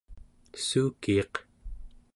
suukiiq